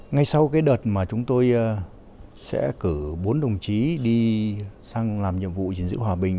ngay sau cái đợt mà chúng tôi sẽ cử bốn đồng chí đi sang làm nhiệm vụ gìn giữ hòa bình